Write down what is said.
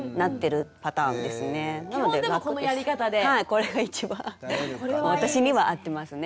これが一番私には合ってますね。